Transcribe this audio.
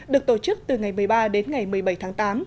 được tổ chức từ ngày một mươi ba đến ngày một mươi bảy tháng tám